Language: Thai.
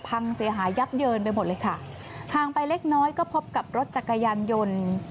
พังเสียหายยับเยินไปหมดเลยค่ะห่างไปเล็กน้อยก็พบกับรถจักรยานยนต์